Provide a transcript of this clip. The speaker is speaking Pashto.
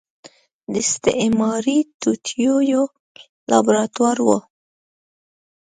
د استعماري توطيو يو لابراتوار و.